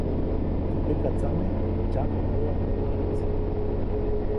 Teʼ pekatsame ndsyamjayuʼa teʼ päʼnis.